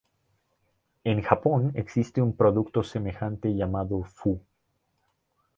En Japón existe un producto semejante llamado fu.